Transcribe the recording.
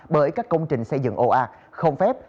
bởi các công trình xây dựng ồ ạt không phép